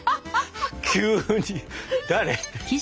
急に誰？